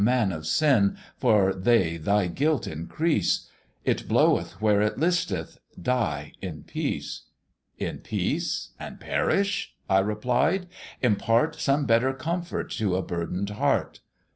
man of sin, for they thy guilt increase; It bloweth where it listeth; die in peace.' In peace, and perish?' I replied; 'impart Some better comfort to a burthen'd heart.'